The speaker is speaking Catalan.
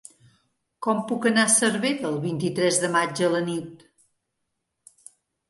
Com puc anar a Cervera el vint-i-tres de maig a la nit?